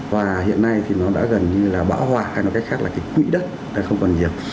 và hiện nay thì nó đã gần như là bão hòa hay là cách khác là cái quỹ đất không còn nhiều